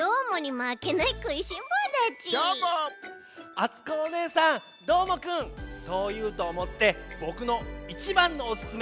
あつこおねえさんどーもくんそういうとおもってぼくのいちばんのおすすめ